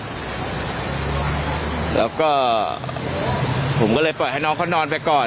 แล้วก็ผมก็เลยปล่อยให้น้องเขานอนไปก่อน